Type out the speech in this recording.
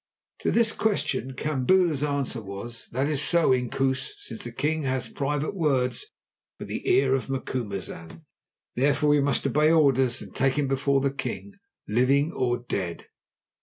To this question Kambula's answer was: "That is so, Inkoos, since the king has private words for the ear of Macumazahn. Therefore we must obey orders, and take him before the king, living or dead."